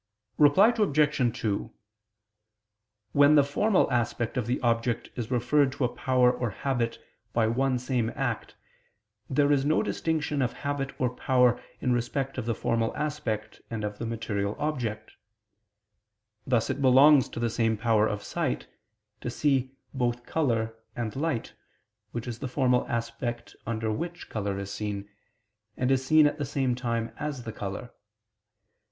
Reply Obj. 2: When the formal aspect of the object is referred to a power or habit by one same act, there is no distinction of habit or power in respect of the formal aspect and of the material object: thus it belongs to the same power of sight to see both color, and light, which is the formal aspect under which color is seen, and is seen at the same time as the color.